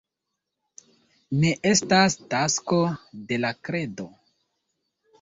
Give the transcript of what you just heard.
Ne estas tasko de la kredo.